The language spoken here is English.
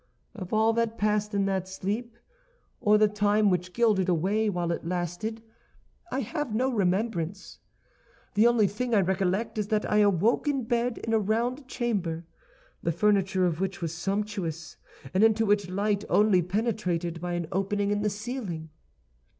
"Of all that passed in that sleep, or the time which glided away while it lasted, I have no remembrance. The only thing I recollect is that I awoke in bed in a round chamber, the furniture of which was sumptuous, and into which light only penetrated by an opening in the ceiling.